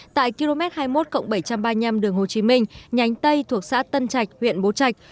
tại km hai mươi một bảy trăm ba mươi năm đường hồ chí minh nhánh tây thuộc xã tân trạch huyện bố trạch